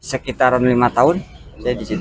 sekitar lima tahun saya di situ